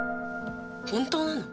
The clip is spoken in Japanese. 本当なの？